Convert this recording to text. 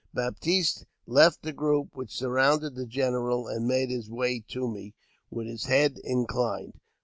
Baptiste left the group which surrounded the general, and made his way to me, with his head inclined.